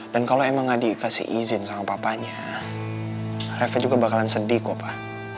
dan kalau emang adi kasih izin sama papanya reva juga bakalan sedih kok pak